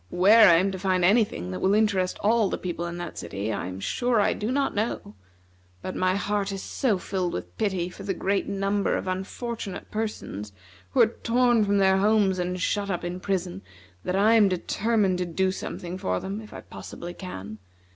Where I am to find any thing that will interest all the people in that city, I am sure I do not know; but my heart is so filled with pity for the great number of unfortunate persons who are torn from their homes and shut up in prison, that I am determined to do something for them, if I possibly can.